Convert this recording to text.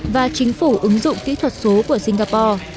và chính phủ ứng dụng kỹ thuật số của singapore